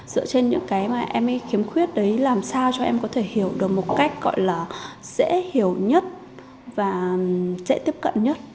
dựa trên những cái mà em khiếm khuyết đấy làm sao cho em có thể hiểu được một cách gọi là dễ hiểu nhất và dễ tiếp cận nhất